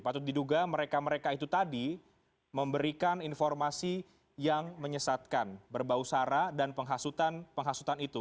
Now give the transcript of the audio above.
patut diduga mereka mereka itu tadi memberikan informasi yang menyesatkan berbau sara dan penghasutan penghasutan itu